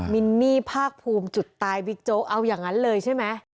มินนี่ภาคภูมิจุดตายบิ๊กโจ๊กเอาอย่างนั้นเลยใช่ไหม